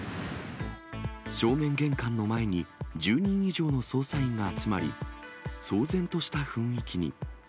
正面玄関の前に、１０人以上の捜査員が集まり、騒然とした雰囲気に。